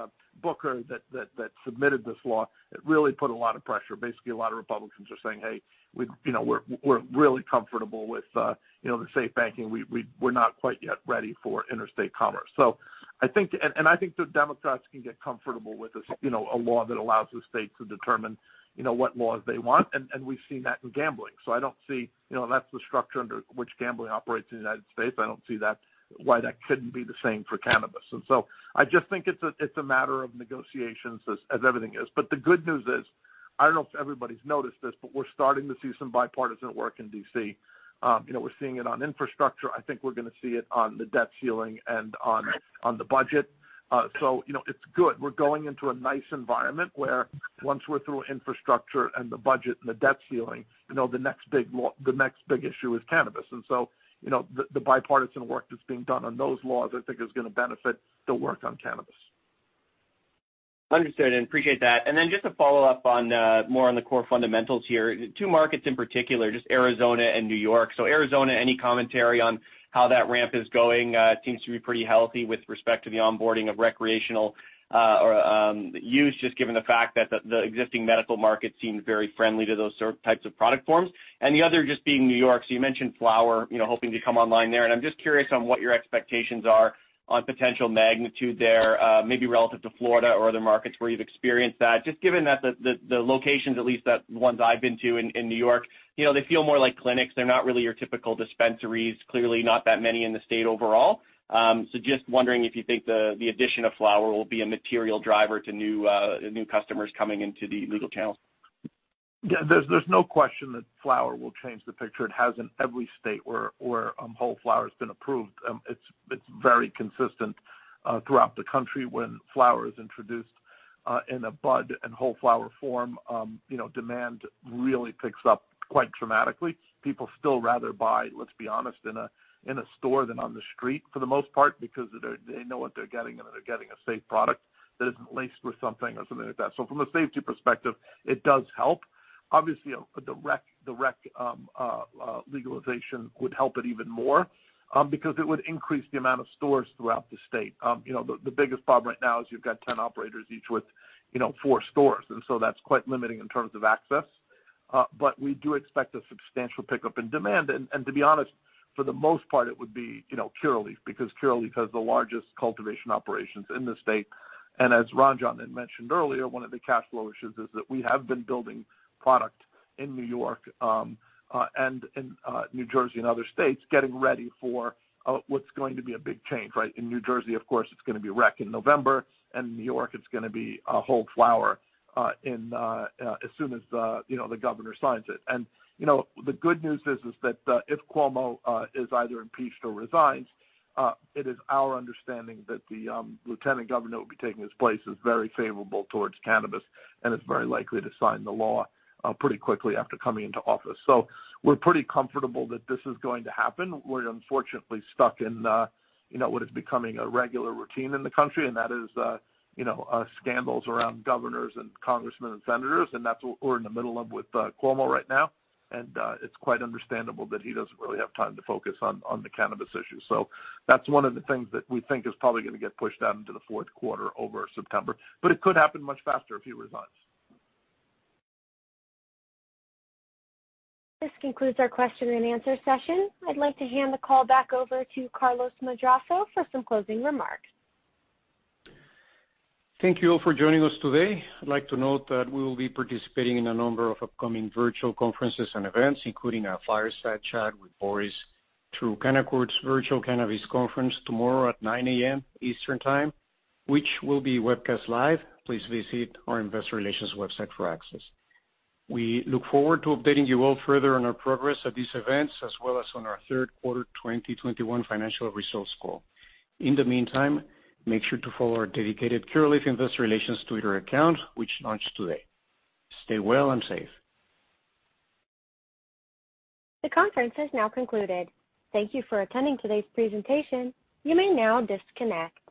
Booker that submitted this law. It really put a lot of pressure. Basically, a lot of Republicans are saying, "Hey, you know, we're really comfortable with the safe banking. We're not quite yet ready for interstate commerce." I think the Democrats can get comfortable with a law that allows the state to determine what laws they want, and we've seen that in gambling. That's the structure under which gambling operates in the United States. I don't see why that couldn't be the same for cannabis. I just think it's a matter of negotiations as everything is. The good news is, I don't know if everybody's noticed this, but we're starting to see some bipartisan work in D.C. You know, we're seeing it on infrastructure. I think we're going to see it on the debt ceiling and on the budget. It's good. We're going into a nice environment where once we're through infrastructure and the budget and the debt ceiling, the next big issue is cannabis. You know, the bipartisan work that's being done on those laws, I think, is going to benefit the work on cannabis. Understood. Appreciate that. Just to follow up more on the core fundamentals here, two markets in particular, just Arizona and N.Y. Arizona, any commentary on how that ramp is going? Seems to be pretty healthy with respect to the onboarding of recreational use, just given the fact that the existing medical market seems very friendly to those types of product forms. The other just being N.Y., so you mentioned flower, hoping to come online there, and I'm just curious on what your expectations are on potential magnitude there, maybe relative to Florida or other markets where you've experienced that. Just given that the locations, at least the ones I've been to in N.Y., they feel more like clinics. They're not really your typical dispensaries. Clearly, not that many in the state overall. Just wondering if you think the addition of flower will be a material driver to new customers coming into the legal channels? Yeah, there's no question that flower will change the picture. It has in every state where whole flower's been approved. It's very consistent throughout the country when flower is introduced in a bud and whole flower form, you know, demand really picks up quite dramatically. People still rather buy, let's be honest, in a store than on the street for the most part because they know what they're getting and that they're getting a safe product that isn't laced with something or something like that. From a safety perspective, it does help. Obviously, a direct legalization would help it even more because it would increase the amount of stores throughout the state. You know, the biggest problem right now is you've got 10 operators each with four stores, that's quite limiting in terms of access. We do expect a substantial pickup in demand. To be honest, for the most part, it would be, you know, Curaleaf because Curaleaf has the largest cultivation operations in the state. As Ranjan had mentioned earlier, one of the cash flow issues is that we have been building product in N.Y. and in New Jersey and other states getting ready for what's going to be a big change, right? In New Jersey, of course, it's going to be rec in November, and in N.Y., it's going to be whole flower as soon as the governor signs it. The good news is that if Cuomo is either impeached or resigns, it is our understanding that the lieutenant governor who will be taking his place is very favorable towards cannabis and is very likely to sign the law pretty quickly after coming into office. We're pretty comfortable that this is going to happen. We're unfortunately stuck in what is becoming a regular routine in the country, and that is, you know, scandals around governors and congressmen and senators, and that's what we're in the middle of with Cuomo right now. It's quite understandable that he doesn't really have time to focus on the cannabis issue. That's one of the things that we think is probably going to get pushed out into the fourth quarter over September, but it could happen much faster if he resigns. This concludes our question-and answer-session. I'd like to hand the call back over to Carlos Madrazo for some closing remarks. Thank you all for joining us today. I'd like to note that we will be participating in a number of upcoming virtual conferences and events, including our fireside chat with Boris through Canaccord's Virtual Cannabis Conference tomorrow at 9:00 A.M. Eastern Time, which will be webcast live. Please visit our investor relations website for access. We look forward to updating you all further on our progress at these events, as well as on our third quarter 2021 financial results call. In the meantime, make sure to follow our dedicated Curaleaf Investor Relations Twitter account, which launched today. Stay well and safe. The conference has now concluded. Thank you for attending today's presentation. You may now disconnect.